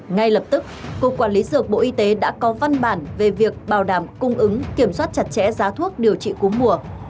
ngay lập tức cục quản lý dược bộ y tế đã có văn bản về việc bảo đảm cung ứng kiểm soát chặt chẽ giá thuốc điều trị cú mùa